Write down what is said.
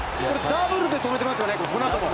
ダブルで止めてますよね。